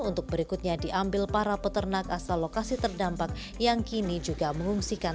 untuk berikutnya diambil para peternak asal lokasi terdampak yang kini juga mengungsikan